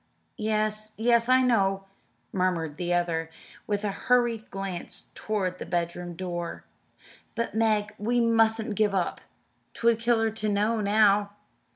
"Yes, yes, I know," murmured the other, with a hurried glance toward the bedroom door. "But, Meg, we mustn't give up 'twould kill her to know now.